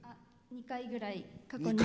２回ぐらい。